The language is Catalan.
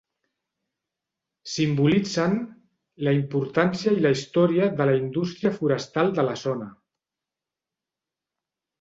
Simbolitzen la importància i la història de la indústria forestal de la zona.